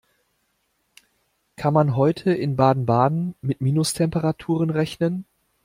Kann man heute in Baden-Baden mit Minustemperaturen rechnen?